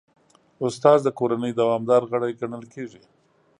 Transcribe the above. استاد د کورنۍ دوامدار غړی ګڼل کېږي.